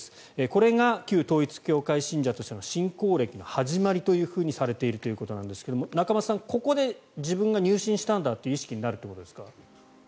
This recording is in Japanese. これが旧統一教会信者としての信仰歴の始まりとされているんですが仲正さん、ここで自分が入信したという意識になるということですか。